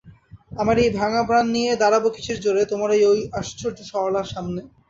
আমার এই ভাঙা প্রাণ নিয়ে দাঁড়াব কিসের জোরে তোমার ঐ আশ্চর্য সরলার সামনে।